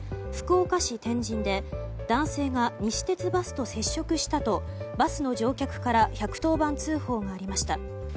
福岡市天神で男性が西鉄バスと接触したとバスの乗客から１１０番通報がありました。